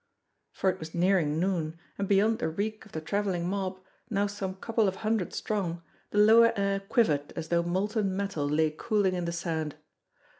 For it was nearing noon, and beyond the reek of the travelling mob, now some couple of hundred strong, the lower air quivered as though molten metal lay cooling in the sand.